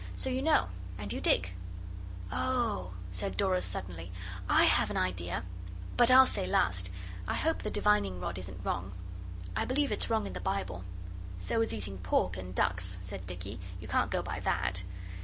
So you know. And you dig.' 'Oh,' said Dora suddenly, 'I have an idea. But I'll say last. I hope the divining rod isn't wrong. I believe it's wrong in the Bible.' 'So is eating pork and ducks,' said Dicky. 'You can't go by that.